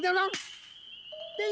aku juga nggak tau